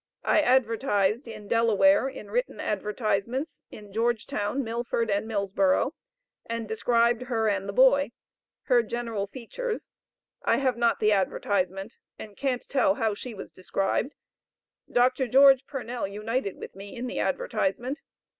I advertised, in Delaware in written advertisements, in Georgetown, Milford and Millsborough, and described her and the boy; her general features. I have not the advertisement and can't tell how she was described; Dr. George Purnell united with me in the advertisement.